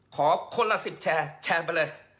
ขอคนละ๑๐แชร์แชร์ไปเลย